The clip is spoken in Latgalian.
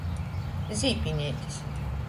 Zīpineitis.